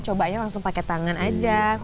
cobanya langsung pakai tangan aja